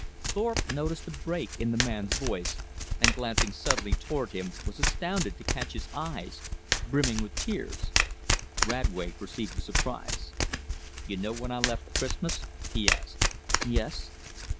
Thorpe noticed a break in the man's voice, and glancing suddenly toward him was astounded to catch his eyes brimming with tears. Radway perceived the surprise. "You know when I left Christmas?" he asked. "Yes."